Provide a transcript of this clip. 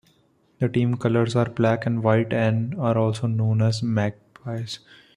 The team colours are black and white and are known as the 'magpies'.